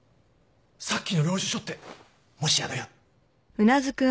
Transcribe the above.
さっきの領収書ってもしやのや？